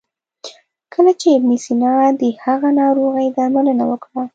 کله چې ابن سینا د هغه ناروغي درملنه وکړه.